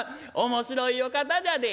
面白いお方じゃで」。